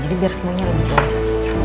jadi biar semuanya lebih jelas